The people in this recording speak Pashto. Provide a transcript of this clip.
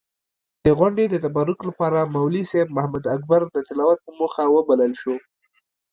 د غونډې د تبرک لپاره مولوي صېب محمداکبر د تلاوت پۀ موخه وبلل شو.